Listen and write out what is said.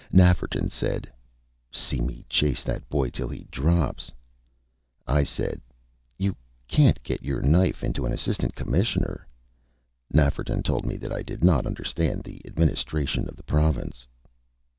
Nafferton said: "See me chase that boy till he drops!" I said: "You can't get your knife into an Assistant Commissioner." Nafferton told me that I did not understand the administration of the Province.